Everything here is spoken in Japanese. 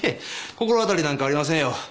心当たりなんかありませんよ。